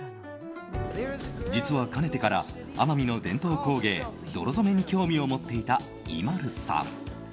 実は、かねてから奄美の伝統工芸、泥染めに興味を持っていたＩＭＡＬＵさん。